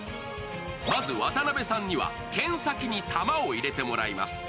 まず渡邊さんには剣先に球を入れてもらいます。